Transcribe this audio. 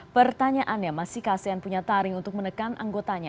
pertanyaannya masihkah asean punya taring untuk menekan anggotanya